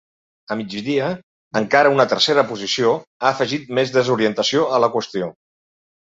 A migdia, encara una tercera posició ha afegit més desorientació a la qüestió.